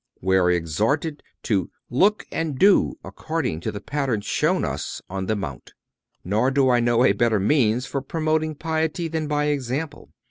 We are exhorted to "look and do according to the pattern shown us on the mount."(280) Nor do I know a better means for promoting piety than by example.